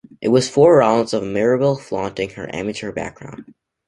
It was four rounds of Maribel flaunting her amateur background.